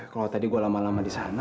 kalau tadi gue lama lama disana